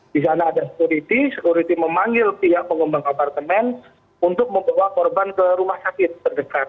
di sana ada security security memanggil pihak pengembang apartemen untuk membawa korban ke rumah sakit terdekat